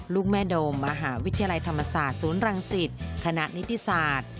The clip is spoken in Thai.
ลูกแม่โดมมหาวิทยาลัยธรรมศาสตร์ศูนย์รังสิตคณะนิติศาสตร์